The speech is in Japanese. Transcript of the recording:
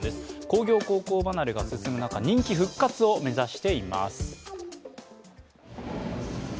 工業高校離れが進む中、人気復活を目指しています。